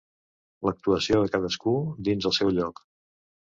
l'actuació de cadascú dins el seu lloc